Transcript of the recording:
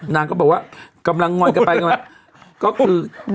นางก็บอกว่ากำลังงอดกลับไปกันมานอยล่ะก็คือ